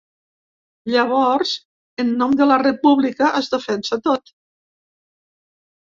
Llavors, en nom de la república es defensa tot.